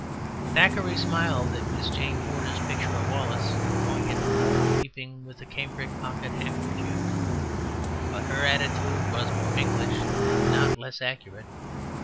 Thackeray smiled at Miss Jane Porter's picture of Wallace, going into war weeping with a cambric pocket handkerchief; but her attitude was more English and not less accurate.